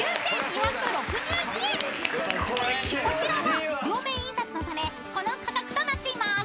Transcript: ［こちらは両面印刷のためこの価格となっています］